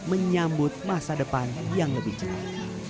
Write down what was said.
menyambut masa depan yang lebih cepat